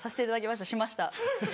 しました。